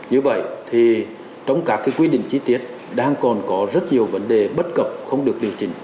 như vậy thì trong các quy định chi tiết đang còn có rất nhiều vấn đề bất cập không được điều chỉnh